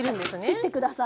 切って下さい。